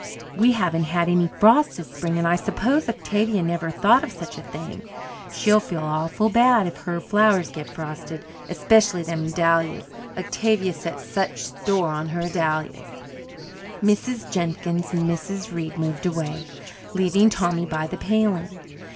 "We haven't had any frost this spring, and I suppose Octavia never thought of such a thing. She'll feel awful bad if her flowers get frosted, especially them dahlias. Octavia sets such store by her dahlias." Mrs. Jenkins and Mrs. Reid moved away, leaving Tommy by the paling.